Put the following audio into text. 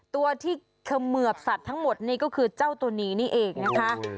ตัวที่เขมือบสัตว์ทั้งหมดนี่ก็คือเจ้าตัวนี้นี่เองนะคะ